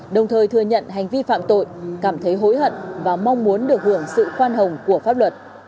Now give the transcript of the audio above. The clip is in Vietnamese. đồng thời thừa nhận hành vi phạm tội cảm thấy hối hận và mong muốn được hưởng sự khoan hồng của pháp luật